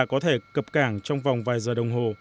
để cập cảng trong vòng vài giờ đồng hồ